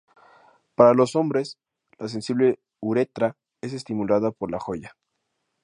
Para los hombres, la sensible uretra es estimulada por la joya.